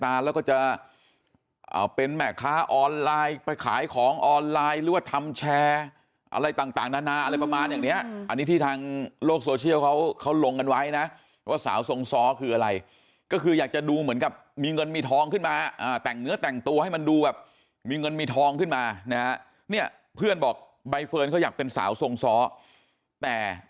แล้วก็จะเป็นแม่ค้าออนไลน์ไปขายของออนไลน์หรือว่าทำแชร์อะไรต่างนานาอะไรประมาณอย่างเนี้ยอันนี้ที่ทางโลกโซเชียลเขาลงกันไว้นะว่าสาวทรงซ้อคืออะไรก็คืออยากจะดูเหมือนกับมีเงินมีทองขึ้นมาแต่งเนื้อแต่งตัวให้มันดูแบบมีเงินมีทองขึ้นมานะฮะเนี่ยเพื่อนบอกใบเฟิร์นเขาอยากเป็นสาวทรงซ้อแต่